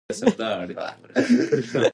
غازیان د الله په مرسته جګړه کوي.